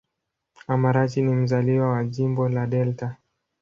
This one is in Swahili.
Amarachi ni mzaliwa wa Jimbo la Delta.